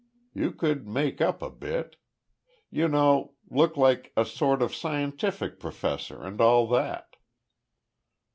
You could `make up' a bit. You know look like a sort of scientific professor, and all that."